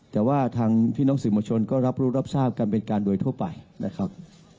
แต่ว่าทางพี่น้องสื่อมวลชนก็รับรู้รับทราบกันเป็นการโดยทั่วไปนะครับ